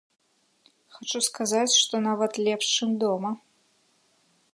Хачу сказаць, што нават лепш, чым дома.